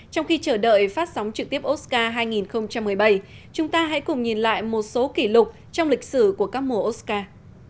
trong khi chờ đợi phát sóng trực tiếp oscar hai nghìn một mươi bảy chúng ta hãy cùng nhìn lại một số kỷ lục trong lịch sử của các mùa oscar